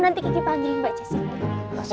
nanti kiki panggil mbak jessica